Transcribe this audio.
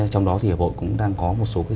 trong đó thì bộ cũng đang có một số